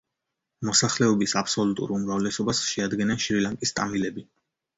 მოსახლეობის აბსოლუტურ უმრავლესობას შეადგენენ შრი-ლანკის ტამილები.